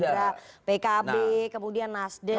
misalnya pkb kemudian nasdem